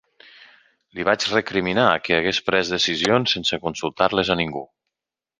Li vaig recriminar que hagués pres decisions sense consultar-les a ningú.